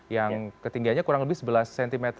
yang ketinggiannya kurang lebih sebelas cm